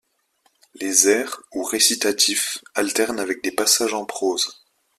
Les airs, ou récitatifs, alternent avec des passages en prose.